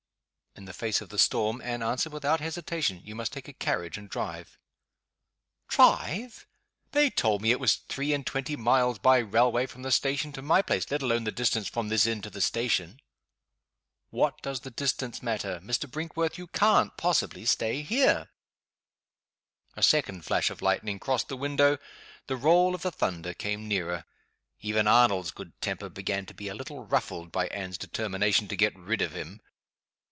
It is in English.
In the face of the storm, Anne answered without hesitation, "You must take a carriage, and drive." "Drive? They told me it was three and twenty miles, by railway, from the station to my place let alone the distance from this inn to the station." "What does the distance matter? Mr. Brinkworth, you can't possibly stay here!" A second flash of lightning crossed the window; the roll of the thunder came nearer. Even Arnold's good temper began to be a little ruffled by Anne's determination to get rid of him.